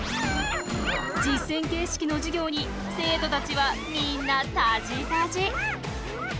実践形式の授業に生徒たちはみんなたじたじ。